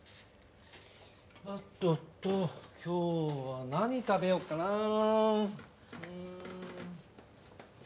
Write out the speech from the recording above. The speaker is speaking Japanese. あっとっと今日は何食べようかな。